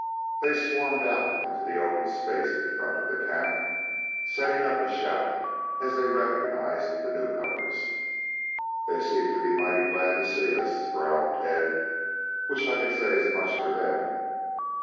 They fairly swarmed out into the open space in front of the camp, setting up a shout as they recognized the newcomers. "They seem to be mighty glad to see us," growled Tad. "Wish I could say as much for them."